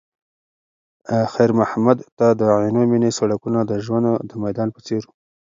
خیر محمد ته د عینومېنې سړکونه د ژوند د میدان په څېر وو.